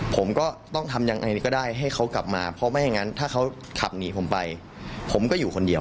ผมก็ต้องทำยังไงก็ได้ให้เขากลับมาเพราะไม่อย่างนั้นถ้าเขาขับหนีผมไปผมก็อยู่คนเดียว